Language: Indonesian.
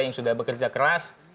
yang sudah bekerja keras